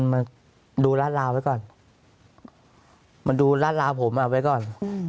มาดูลาดราวไว้ก่อนมาดูลาดราวผมเอาไว้ก่อน